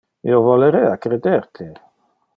Io volerea creder te.